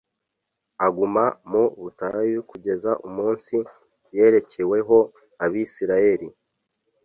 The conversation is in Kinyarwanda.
Aguma mu butayu kugeza umunsi yerekeweho Abisirayeli."